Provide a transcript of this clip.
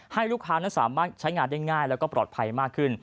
ให้ลูกค้านั้นสามารถใช้งานได้ง่ายแล้วก็ปลอดภัยมากขึ้น